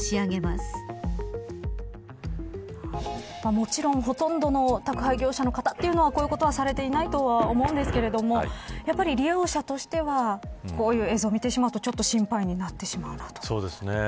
もちろん、ほとんどの宅配業者の方というのはこういうことはされていないと思うんですけどやっぱり利用者としてはこういう映像を見てしまうと心配になりますね。